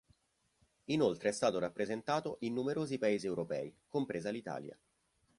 Inoltre è stato rappresentato in numerosi paesi europei, compresa l'Italia.